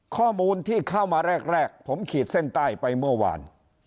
ข้อมูลที่เข้ามาแรกผมขีดเส้นใต้ไปเมื่อวาน